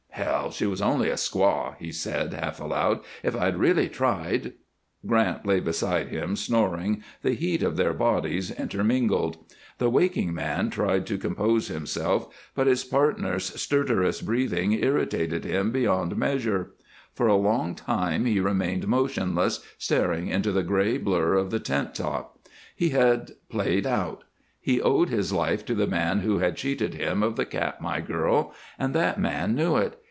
"Hell! She was only a squaw," he said, half aloud. "If I'd really tried " Grant lay beside him, snoring, the heat of their bodies intermingled. The waking man tried to compose himself, but his partner's stertorous breathing irritated him beyond measure; for a long time he remained motionless, staring into the gray blur of the tent top. He had played out. He owed his life to the man who had cheated him of the Katmai girl, and that man knew it.